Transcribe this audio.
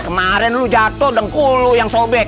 kemarin lo jatuh dengkul lo yang sobek